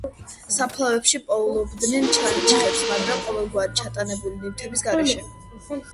საფლავებში პოულობდნენ ჩონჩხებს, მაგრამ ყოველგვარი ჩატანებული ნივთების გარეშე.